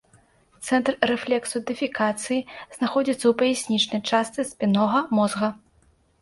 Цэнтр рэфлексу дэфекацыі знаходзіцца ў паяснічнай частцы спіннога мозга.